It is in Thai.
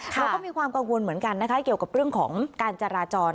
เราก็มีความกังวลเหมือนกันนะคะเกี่ยวกับเรื่องของการจราจร